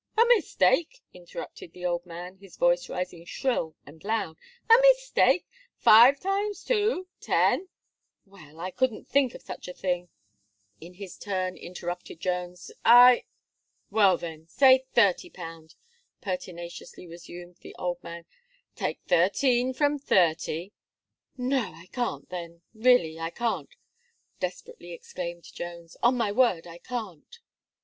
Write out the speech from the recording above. "A mistake!" interrupted the old man, his voice rising shrill and loud. "A mistake! five times two, ten " "Well, but I couldn't think of such a thing," in his turn interrupted Jones. "I " "Well then, say thirty pound," pertinaciously resumed the old man; "take thirteen from thirty " "No, I can't then really, I can't," desperately exclaimed Jones; "on my word I can't."